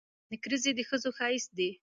نکریزي د ښځو ښایست دي.